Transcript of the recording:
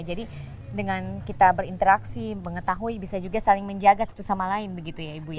jadi dengan kita berinteraksi mengetahui bisa juga saling menjaga satu sama lain begitu ya ibu ya